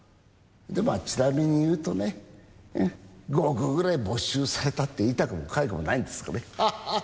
まあちなみに言うとね５億ぐらい没収されたって痛くもかゆくもないんですがね。